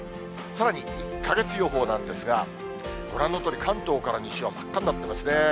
さらに１か月予報なんですが、ご覧のとおり、関東から西は真っ赤になっていますね。